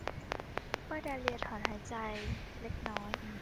ป้าดาเลียถอนหายใจเล็กน้อย